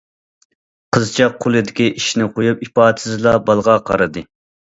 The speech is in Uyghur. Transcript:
قىزچاق قولىدىكى ئىشىنى قويۇپ، ئىپادىسىزلا بالىغا قارىدى.